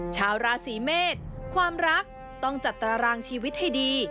ชาวราศีเมษความรักต้องจัดตารางชีวิตให้ดี